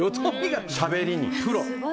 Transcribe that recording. しゃべりに、プロ。